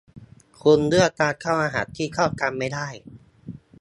คุณเลือกการเข้ารหัสที่เข้ากันไม่ได้